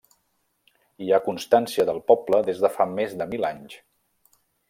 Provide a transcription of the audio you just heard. Hi ha constància del poble des de fa més de mil anys.